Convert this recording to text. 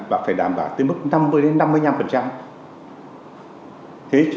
và phải đảm bảo tới mức năm mươi năm mươi